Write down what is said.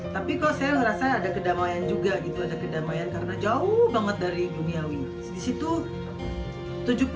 tapi kok saya merasa ada kedamaian juga gitu ada kedamaian karena jauh banget dari duniawi